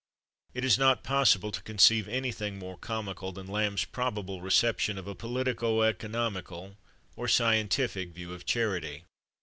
It is not possible to conceive anything more comical than Lamb's probable reception of a politico economical or scientific view of charity.